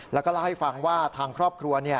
แล้วก็เล่าให้ฟังว่าทางครอบครัว